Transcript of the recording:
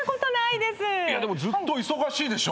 ずっと忙しいでしょ？